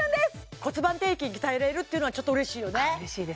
骨盤底筋鍛えられるっていうのはちょっと嬉しいよね